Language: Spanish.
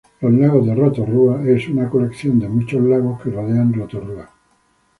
Los lagos de Rotorua son una colección de muchos lagos que rodean Rotorua.